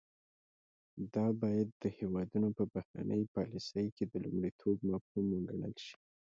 دا باید د هیوادونو په بهرنۍ پالیسۍ کې د لومړیتوب مفهوم وګڼل شي